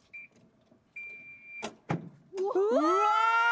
うわ！